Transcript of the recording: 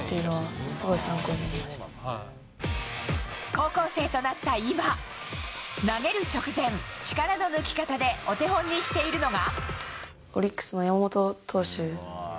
高校生となった今投げる直前力の抜き方でお手本にしているのが。